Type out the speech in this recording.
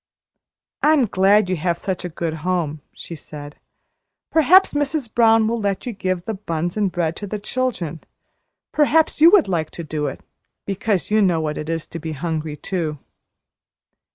"I'm glad you have such a good home," she said. "Perhaps Mrs. Brown will let you give the buns and bread to the children perhaps you would like to do it because you know what it is to be hungry, too."